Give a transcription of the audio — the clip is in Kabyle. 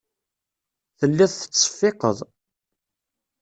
Telliḍ tettseffiqeḍ.